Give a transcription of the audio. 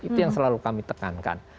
itu yang selalu kami tekankan